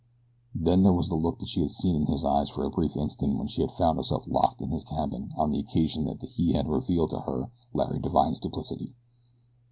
Then there was the look she had seen in his eyes for a brief instant when she had found herself locked in his cabin on the occasion that he had revealed to her Larry Divine's duplicity.